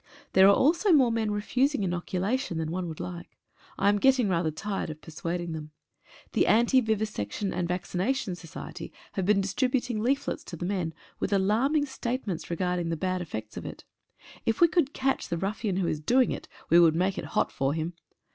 There are also more men refusing inoculation than one would like. I am getting rather tired of persuading them. The Anti vivisection and Vaccination Society have been distribut ing leaflets to the men with alarming statements re the bad effects of it. If we could catch the ruffian who is doing it we would make it hot for him.